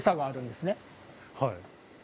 はい。